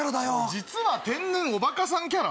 実は天然おバカさんキャラ？